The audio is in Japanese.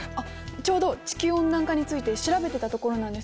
ちょうど地球温暖化について調べてたところなんです。